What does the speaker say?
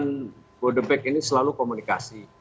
yang terhadap covid sembilan belas ini selalu komunikasi